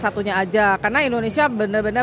satunya aja karena indonesia bener bener